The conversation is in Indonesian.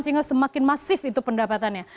sehingga semakin masif itu pendapatannya